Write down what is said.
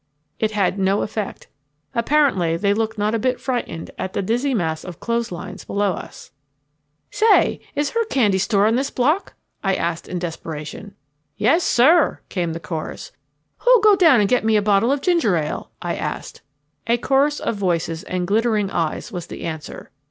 It had no effect. Apparently they looked not a bit frightened at the dizzy mass of clothes lines below us. "Say, is there a candy store on this block?" I asked in desperation. "Yes, sir," came the chorus. "Who'll go down and get me a bottle of ginger ale?" I asked. A chorus of voices and glittering eyes was the answer.